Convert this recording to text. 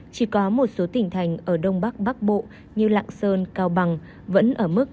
chỉ có một số tỉnh thành ở đông bắc bắc bộ như lạng sơn cao bằng vẫn ở mức hai mươi sáu ba mươi năm